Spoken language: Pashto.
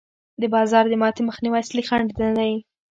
د بازار د ماتې مخنیوی اصلي خنډ نه دی.